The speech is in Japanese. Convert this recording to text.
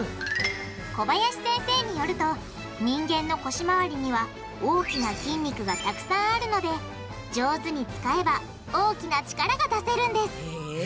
小林先生によると人間の腰回りには大きな筋肉がたくさんあるので上手に使えば大きな力が出せるんですへぇ。